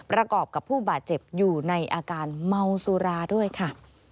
ประกอบกับผู้บาดเจ็บอยู่ในอาการเมาสุราด้วยค่ะ